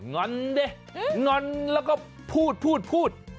งอนเด้งงอนแล้วก็พูด